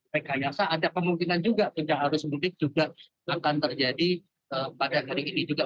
rekayasa ada kemungkinan juga arus mudik juga akan terjadi pada hari ini juga